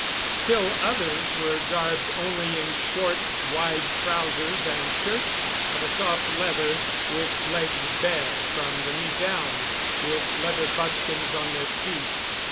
Still others were garbed only in short, wide trousers and shirts of a soft leather, with legs bare from the knee down, and with leather buskins on their feet.